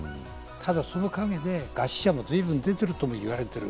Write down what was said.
ただ、その陰で餓死者も随分出てると言われている。